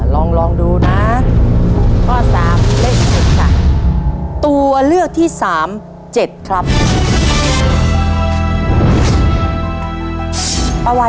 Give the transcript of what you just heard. ลองดูนะ